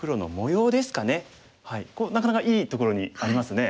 なかなかいいところにありますね。